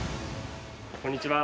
こんにちは。